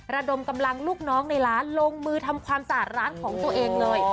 ระดมกำลังลูกน้องในร้านลงมือทำความสะอาดร้านของตัวเองเลย